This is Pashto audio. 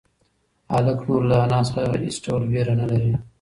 هلک نور له انا څخه هېڅ ډول وېره نه لري.